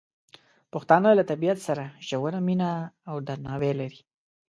پښتانه له طبیعت سره ژوره مینه او درناوی لري.